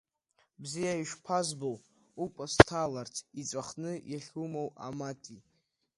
Бзиа ишԥазбо укәа сҭаларц, иҵәахны иахьумоу амати!